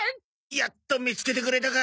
やっと見つけてくれたか。